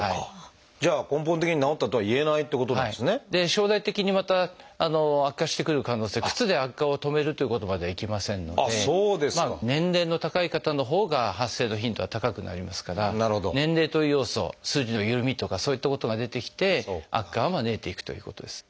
将来的にまた悪化してくる可能性靴で悪化を止めるっていうことまではいきませんので年齢の高い方のほうが発生の頻度は高くなりますから年齢という要素筋のゆるみとかそういったことが出てきて悪化を招いていくということです。